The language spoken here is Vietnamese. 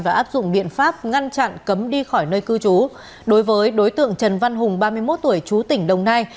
và áp dụng biện pháp ngăn chặn cấm đi khỏi nơi cư trú đối với đối tượng trần văn hùng ba mươi một tuổi chú tỉnh đồng nai